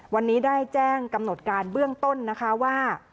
วันนี้ได้แจ้งกำหนดการเบื้องต้นนะคะว่า